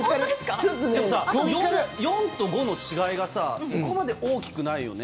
４と５の違いがそこまで大きくないよね。